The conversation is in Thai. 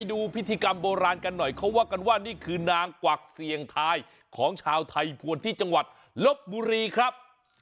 ดูพิธีกรรมโบราณกันหน่อยเขาว่ากันว่านี่คือนางกวักเสี่ยงทายของชาวไทยภวรที่จังหวัดลบบุรีครับ